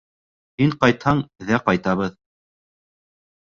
Һин ҡайтһаң, ҙә ҡайтабыҙ